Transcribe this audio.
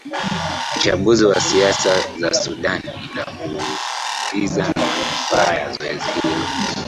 mchambuzi wa siasa za sudan na kumuuliza manufaa ya zoezi hilo